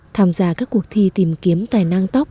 tham gia các cuộc thi tìm kiếm tài năng tóc